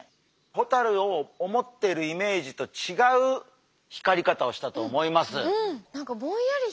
ホタルを思っているイメージと違う光り方をしたと思います。